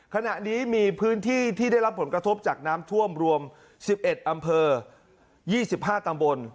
ขณะนี้มีพื้นที่ที่ได้รับผลกระทบจากน้ำท่วมรวม๑๑อำเภอ๒๕ตำบล